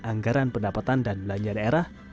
anggaran pendapatan dan belanja daerah